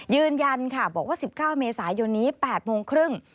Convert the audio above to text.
ยืนยันค่ะบอกว่า๑๙เมษายนนี้๘โมงครึ่ง